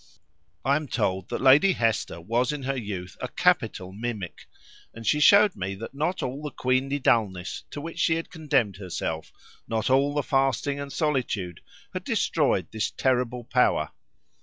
I am told that Lady Hester was in her youth a capital mimic, and she showed me that not all the queenly dulness to which she had condemned herself, not all her fasting and solitude, had destroyed this terrible power.